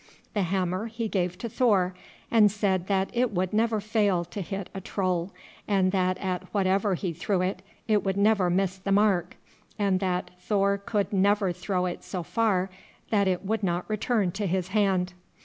The hammer he gave to Thor, and said that it would never fail to hit a troll, and that at whatever he threw it, it would never miss the mark, and that Thor could never throw it so far that it would not return to his hand.